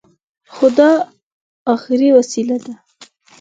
خو دا اخري وسيله ده.